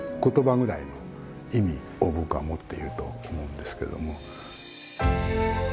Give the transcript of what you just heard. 言葉くらいの意味を僕は持っていると思うんですけども。